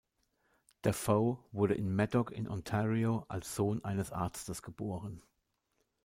Dafoe wurde in Madoc in Ontario als Sohn eines Arztes geboren.